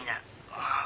ああ。